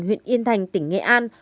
huyện yên thành tỉnh nghệ an